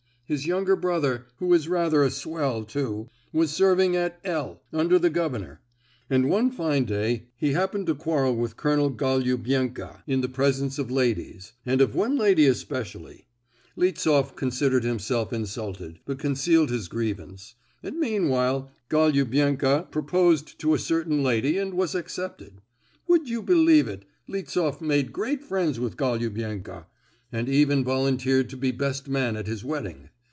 His younger brother—who is rather a swell, too—was serving at L—— under the governor, and one fine day he happened to quarrel with Colonel Golubenko in the presence of ladies, and of one lady especially. Liftsoff considered himself insulted, but concealed his grievance; and, meanwhile, Golubenko proposed to a certain lady and was accepted. Would you believe it, Liftsoff made great friends with Golubenko, and even volunteered to be best man at his wedding.